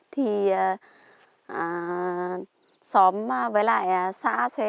thì xóm với lại xã sẽ